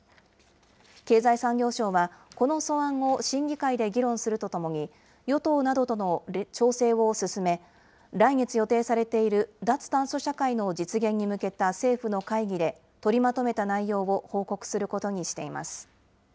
経済産業省はこの素案を審議会で議論するとともに、与党などとの調整を進め、来月予定されている、脱炭素社会の実現に向けた政府の会議で取りまとめた内容を報告することにしています。